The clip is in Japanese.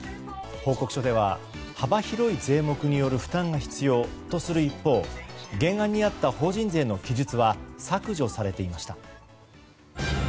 報告書では幅広い税目による負担が必要とする一方原案にあった法人税の記述は削除されていました。